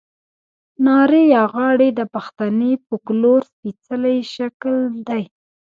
نارې یا غاړې د پښتني فوکلور سپېڅلی شکل دی.